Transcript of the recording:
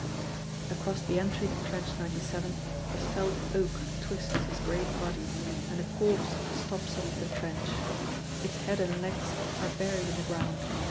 Across the entry to Trench 97 a felled oak twists his great body, and a corpse stops up the trench. Its head and legs are buried in the ground.